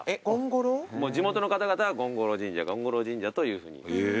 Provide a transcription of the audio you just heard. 地元の方々は権五郎神社権五郎神社というふうに。